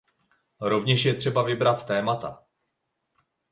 Rovněž je třeba vybrat témata.